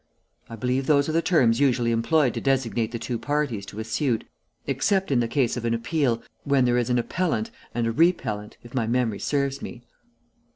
I believe those are the terms usually employed to designate the two parties to a suit, except in the case of an appeal, when there is an appellant and a repellant if my memory serves me."